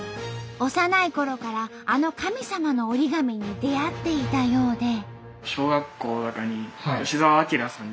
幼いころからあの神様の折り紙に出会っていたようで。